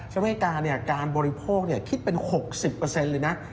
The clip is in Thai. อเมริกาการบริโภคคิดเป็น๖๐เลยนะ